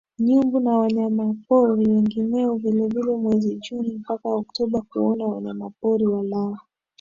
nyumbu na wanyamapori wengineo Vile vile mwezi Juni mpaka Oktaba kuona wanyamapori walao